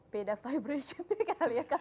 beda vibration kali ya